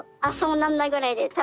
あそうなんだぐらいで。